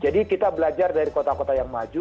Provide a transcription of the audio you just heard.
jadi kita harus memperbaiki kota kota yang maju